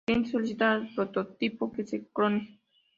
El cliente solicita al prototipo que se clone.